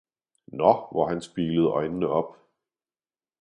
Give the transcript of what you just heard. Nå, hvor han spilede øjnene op!